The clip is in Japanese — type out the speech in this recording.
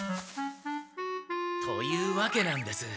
というわけなんです。